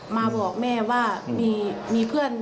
มาบอกแม่ว่ามีเพื่อน